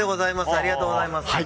ありがとうございます。